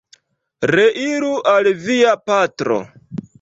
Reiru al via patro!